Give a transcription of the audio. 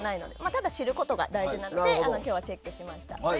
ただ、知ることが大事なので今日はチェックしました。